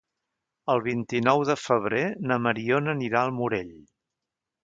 El vint-i-nou de febrer na Mariona anirà al Morell.